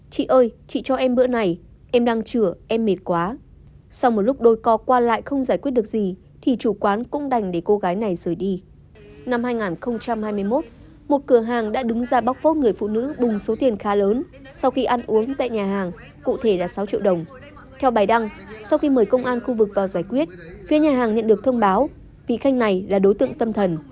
theo bài đăng sau khi mời công an khu vực vào giải quyết phía nhà hàng nhận được thông báo vì khách này là đối tượng tâm thần